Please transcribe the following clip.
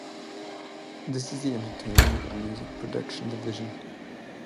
This is the entertainment and music production division.